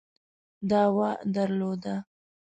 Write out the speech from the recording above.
دعوه درلوده.